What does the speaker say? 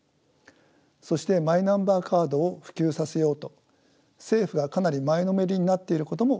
そしてマイナンバーカードを普及させようと政府がかなり前のめりになっていることも気がかりです。